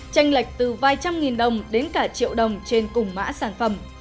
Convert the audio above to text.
tranh lệch từ vài trăm nghìn đồng đến cả triệu đồng trên cùng mã sản phẩm